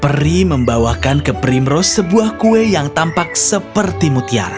peri membawakan ke primrose sebuah kue yang tampak seperti mutiara